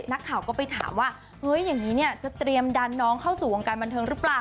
นักข่าวก็ไปถามว่าเฮ้ยอย่างนี้เนี่ยจะเตรียมดันน้องเข้าสู่วงการบันเทิงหรือเปล่า